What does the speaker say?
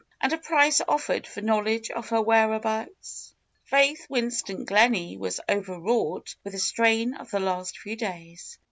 And a price offered for knowledge of her whereabouts !" Faith Winston Gleney was overwrought with the strain of the last few days.